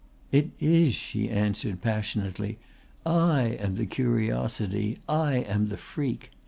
"It is," she answered passionately. "I am the curiosity. I am the freak.